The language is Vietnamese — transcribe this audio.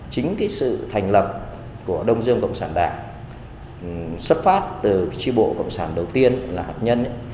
chính cái sự thành lập của đông dương cộng sản đảng xuất phát từ tri bộ cộng sản đầu tiên là hạt nhân